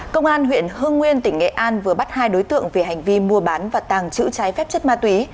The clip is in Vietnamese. công an huyện hương nguyên tỉnh nghệ an vừa bắt hai đối tượng về hành vi mua bán và tàng trữ trái phép chất ma túy